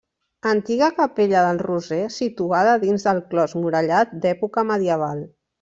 Antiga capella del Roser situada dins del clos murallat d’època medieval.